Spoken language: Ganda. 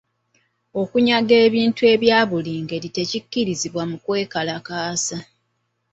Okunyaga ebintu ebya buli ngeri tekikkirizibwa mu kwekalakaasa.